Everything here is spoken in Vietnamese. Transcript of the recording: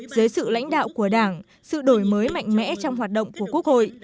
dưới sự lãnh đạo của đảng sự đổi mới mạnh mẽ trong hoạt động của quốc hội